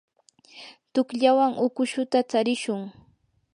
tuqllawan ukushuta tsarishun.